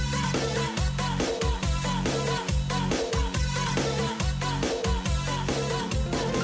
โปรดติดตามตอนต่อไป